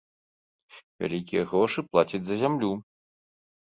Вялікія грошы плацяць за зямлю.